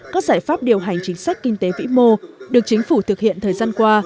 các giải pháp điều hành chính sách kinh tế vĩ mô được chính phủ thực hiện thời gian qua